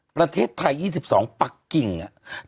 ประเทศไทย๒๒ปักกิ่ง